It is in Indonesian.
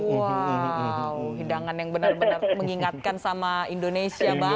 wow hidangan yang benar benar mengingatkan sama indonesia mbak